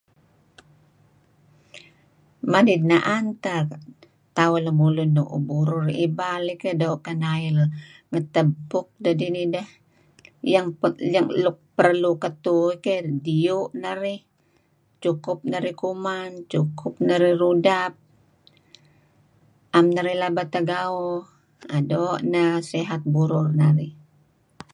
[um]manid na'an tah tauh lamulun nuuh burul, ibal um keh do kanail [um]ngatap apuk dah dih nih dah[um] luk perlu katuh um diyuh narih, cukup narih kuman, cukup narih rudah[um] a'am narih laba tago..do nah sihat burul narih.